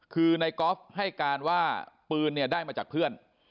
คือในกรอฟท์ให้การว่าปืนได้มาจากเพื่อน